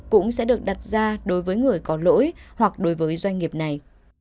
cũng sẽ được đặt ra đối với người có lỗi hoặc đối với doanh nghiệp này